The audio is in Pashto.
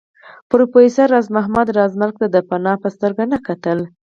پروفېسر راز محمد راز مرګ ته د فناء په سترګه نه کتل